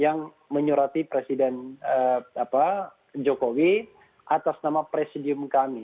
yang menyurati presiden jokowi atas nama presidium kami